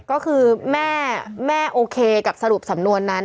ก็คือแม่โอเคกับสรุปสำนวนนั้น